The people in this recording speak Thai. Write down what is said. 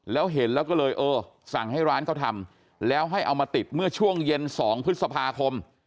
แล้วเห็นแล้วก็เลยเออสั่งให้ร้านเขาทำแล้วให้เอามาติดเมื่อช่วงเย็น๒พฤษภาคม